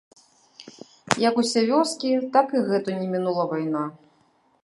Як усе вёскі, так і гэту, не мінула вайна.